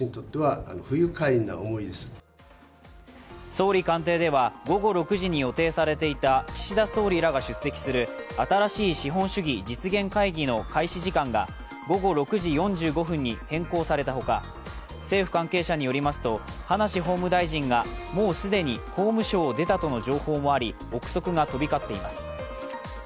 総理官邸では午後６時に予定されていた岸田総理らが出席する新しい資本主義実現会議の開始時間が午後６時４５分に変更されたほか政府関係者によりますと、葉梨法務大臣がもう既に法務省を出たとの情報もあり臆測が飛び交っています。